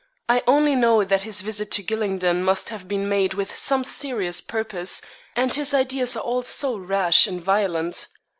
I only know that his visit to Gylingden must have been made with some serious purpose, and his ideas are all so rash and violent.'